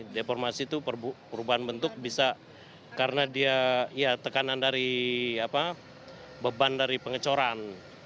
deformasi itu perubahan bentuk bisa karena dia tekanan dari beban dari pengecoran